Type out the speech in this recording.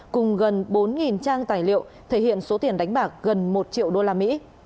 cùng gần bốn trang tài liệu thể hiện số tiền đánh bạc gần một triệu đô la mỹ